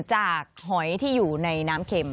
หอยที่อยู่ในน้ำเข็ม